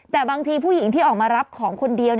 แต่บางทีผู้หญิงที่ออกมารับของคนเดียว